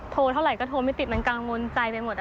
เท่าไหร่ก็โทรไม่ติดมันกังวลใจไปหมด